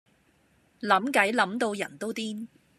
諗計諗到人都癲